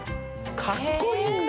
かっこいいんだ！